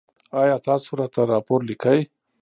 ایا تاسو راته راپور لیکئ؟